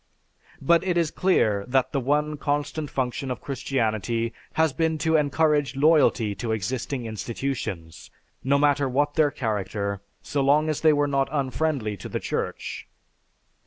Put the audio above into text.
But it is clear that the one constant function of Christianity has been to encourage loyalty to existing institutions, no matter what their character so long as they were not unfriendly to the Church.